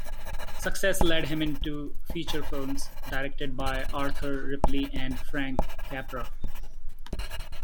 Success led him into feature films, directed by Arthur Ripley and Frank Capra.